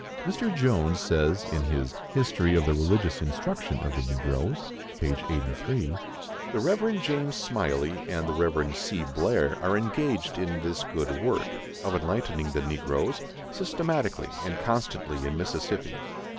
Mr. Jones says, in his "History of the Religious Instruction of the Negroes" (p. 83): "The Rev. James Smylie and the Rev. C. Blair are engaged in this good work (of enlightening the negroes) systematically and constantly in Mississippi."